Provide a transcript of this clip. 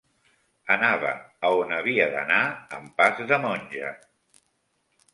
Anava a on havia d'anar amb pas de monja